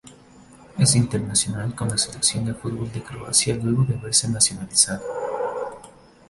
Es internacional con la selección de fútbol de Croacia luego de haberse nacionalizado.